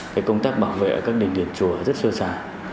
cái công tác bảo vệ các đình đền chùa rất sơ sả